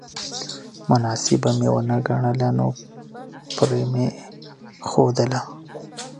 مناسبه مې ونه ګڼله نو پرې مې ښودله